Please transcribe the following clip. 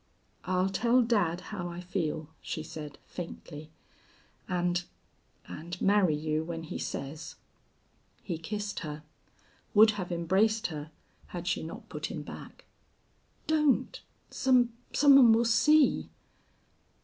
"I'll tell dad how I feel," she said, faintly, "and and marry you when he says." He kissed her, would have embraced her had she not put him back. "Don't! Some some one will see."